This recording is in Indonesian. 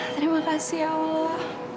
terima kasih ya allah